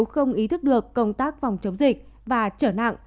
không ý thức được công tác phòng chống dịch và trở nặng